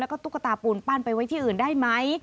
แล้วก็ตุ๊กตาปูนปั้นไปไว้ที่อื่นได้ไหม